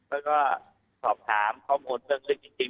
แล้วก็สอบถามข้อมูลเบื้องต้นจริง